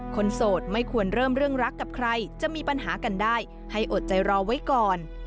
โสดไม่ควรเริ่มเรื่องรักกับใครจะมีปัญหากันได้ให้อดใจรอไว้ก่อน